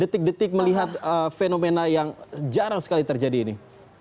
detik detik melihat fenomena yang jarang sekali terjadi ini